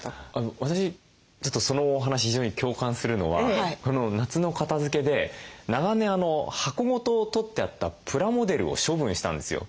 私ちょっとそのお話非常に共感するのはこの夏の片づけで長年箱ごととってあったプラモデルを処分したんですよ。